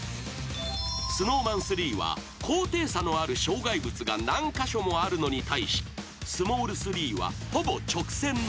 ［ＳｎｏｗＭａｎ３は高低差のある障害物が何箇所もあるのに対しスモール３はほぼ直線のコース］